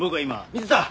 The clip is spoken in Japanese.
水田！